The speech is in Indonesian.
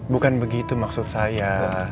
bukan begitu maksud saya